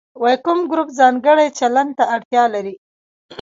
کوم ګروپ ځانګړي چلند ته اړتیا لري.